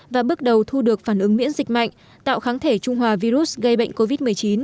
và bước đầu thu được phản ứng miễn dịch mạnh tạo kháng thể trung hòa virus gây bệnh covid một mươi chín